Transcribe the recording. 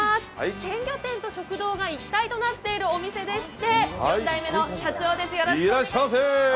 鮮魚店と食堂が一体となっているお店でして、社長です。